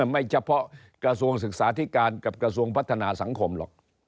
ไม่เฉพาะกระทรวงศึกษาธิการกับกระทรวงพัฒนาสังคมหรอก